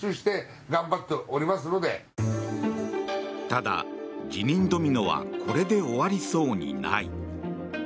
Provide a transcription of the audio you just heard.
ただ、辞任ドミノはこれで終わりそうにない。